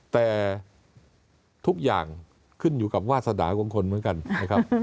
แต่ทุกอย่างขึ้นอยู่กับวาสนาของคนเหมือนกันนะครับ